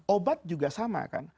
obat juga sama kan